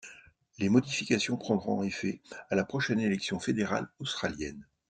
Les modifications prendront effet à la prochaine élection fédérale australienne.